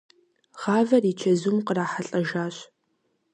Гъавэр и чэзум кърахьэлӀэжащ.